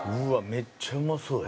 めっちゃうまそうや。